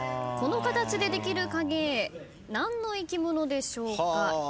この形でできる影絵何の生き物でしょうか？